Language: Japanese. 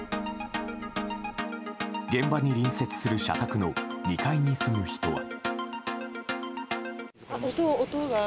現場に隣接する社宅の２階に住む人は。